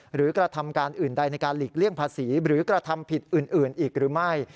กระทำการอื่นใดในการหลีกเลี่ยงภาษีหรือกระทำผิดอื่นอีกหรือไม่